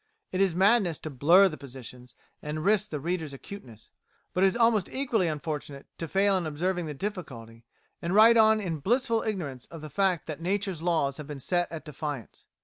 It is madness to "blur" the positions and "risk" the reader's acuteness, but it is almost equally unfortunate to fail in observing the difficulty, and write on in blissful ignorance of the fact that nature's laws have been set at defiance.